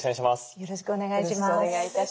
よろしくお願いします。